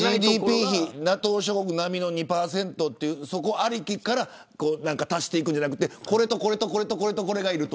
ＧＤＰ費をＮＡＴＯ諸国並みの２％とというそこありきから足していくんじゃなくてこれとこれがいると。